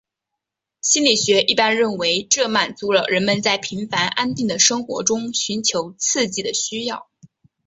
心理学一般认为这满足了人们在平凡安定的生活中寻求刺激的需要。